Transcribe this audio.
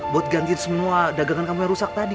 buat gantiin semua dagangan kamu yang rusak tadi